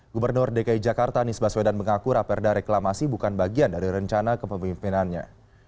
gubernur dki jakarta nisbah swedan mengaku raperda reklamasi bukan bagian dari rencana kepemimpinannya